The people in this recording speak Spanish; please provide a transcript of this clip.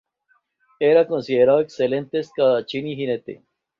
Era considerado excelente espadachín y jinete.